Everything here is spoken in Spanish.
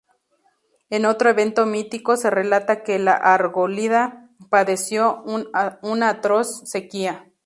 En otro evento mítico se relata que la Argólida padeció una atroz sequía.